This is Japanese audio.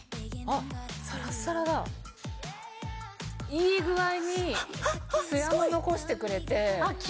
いい具合にツヤも残してくれて。